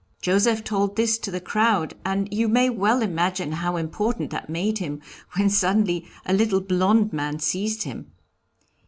Joseph told this to the crowd, and you may well imagine how important that made him, when suddenly a little blond man seized him.